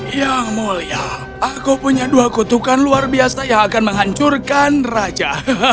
yang mulia aku punya dua kutukan luar biasa yang akan menghancurkan raja